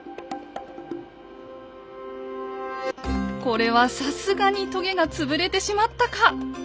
これはさすがにとげが潰れてしまったか？